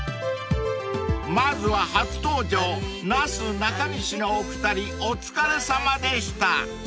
［まずは初登場なすなかにしのお二人お疲れさまでした］